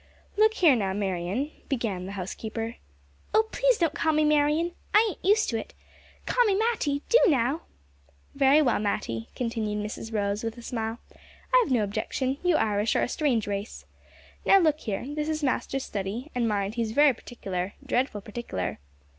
"Look here now, Merryon," began the housekeeper. "Oh, please don't call me Merryon I ain't used to it. Call me Matty, do now!" "Very well, Matty," continued Mrs Rose, with a smile, "I've no objection; you Irish are a strange race! Now, look here. This is master's study, and mind, he's very partikler, dreadful partikler."